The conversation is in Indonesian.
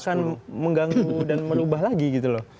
yang akan mengganggu dan mengubah lagi gitu loh